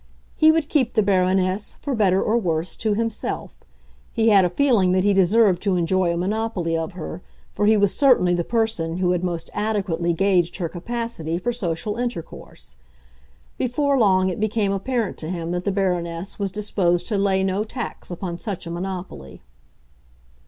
He would keep the Baroness, for better or worse, to himself; he had a feeling that he deserved to enjoy a monopoly of her, for he was certainly the person who had most adequately gauged her capacity for social intercourse. Before long it became apparent to him that the Baroness was disposed to lay no tax upon such a monopoly.